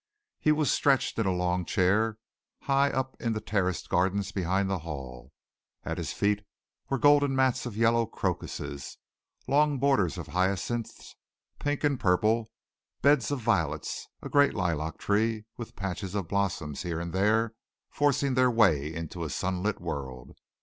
He was stretched in a long chair, high up in the terraced gardens behind the Hall. At his feet were golden mats of yellow crocuses; long borders of hyacinths pink and purple; beds of violets; a great lilac tree, with patches of blossom here and there forcing their way into a sunlit world.